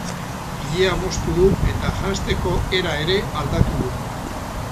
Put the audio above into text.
Ilea moztu du eta janzteko era ere aldatu du.